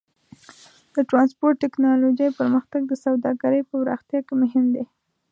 د ټرانسپورټ ټیکنالوجۍ پرمختګ د سوداګرۍ په پراختیا کې مهم دی.